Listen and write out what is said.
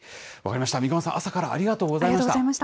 分かりました、三鴨さん、朝からありがとうございました。